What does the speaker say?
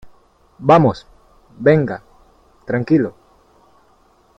vamos . venga . tranquilo .